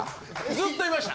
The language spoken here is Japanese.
ずっといました！